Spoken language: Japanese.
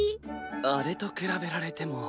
あれと比べられても。